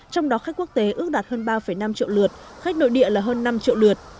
trong đó khách quốc tế ước đạt hơn ba năm triệu lượt khách nội địa là hơn năm triệu lượt